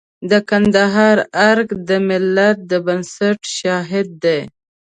د کندهار ارګ د ملت د بنسټ شاهد دی.